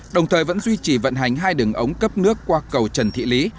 đồng thời vẫn duy trì vận hành hai đường ống cấp nước qua cầu trần thị lý